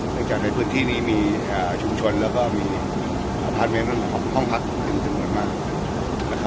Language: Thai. เนื่องจากในพื้นที่นี้มีชุมชนแล้วก็มีอพาร์ทเมนูและห้องพักเป็นจุดหมดมาก